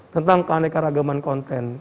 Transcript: tentang keanekaragaman konten